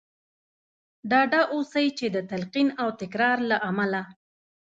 ډاډه اوسئ چې د تلقين او تکرار له امله.